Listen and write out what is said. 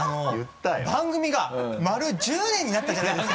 番組が丸１０年になったじゃないですか。